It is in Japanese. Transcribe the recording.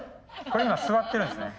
これ今座ってるんですね。